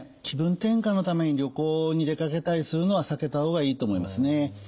気分転換のために旅行に出かけたりするのは避けた方がいいと思いますね。